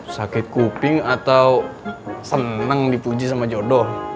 sakit kuping atau senang dipuji sama jodoh